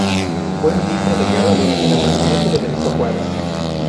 Fue ministro de Guerra durante la presidencia de Benito Juárez.